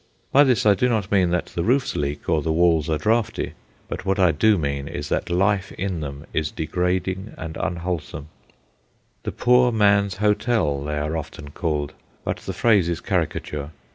By this I do not mean that the roofs leak or the walls are draughty; but what I do mean is that life in them is degrading and unwholesome. "The poor man's hotel," they are often called, but the phrase is caricature.